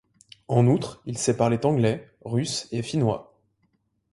En outre, il sait parler anglais, russe et finnois.